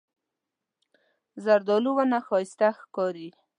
زردالو ونه ښایسته ښکاري.